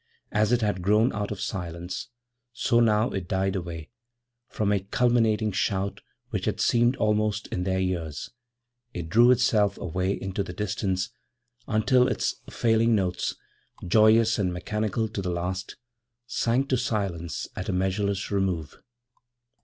As it had grown out of silence, so now it died away; from a culminating shout which had seemed almost in their ears, it drew itself away into the distance until its failing notes, joyous and mechanical to the last, sank to silence at a measureless remove.